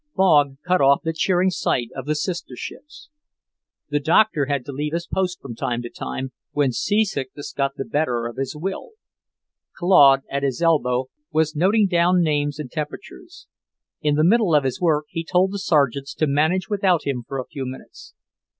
Fog cut off the cheering sight of the sister ships. The doctor had to leave his post from time to time, when seasickness got the better of his will. Claude, at his elbow, was noting down names and temperatures. In the middle of his work he told the sergeants to manage without him for a few minutes.